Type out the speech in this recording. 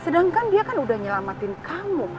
sedangkan dia kan udah nyelamatin kamu